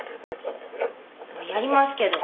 まあやりますけど。